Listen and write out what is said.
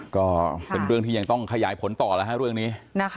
ก็เป็นเรื่องที่ยังต้องขยายผลต่อแล้วฮะเรื่องนี้